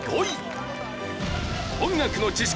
音楽の知識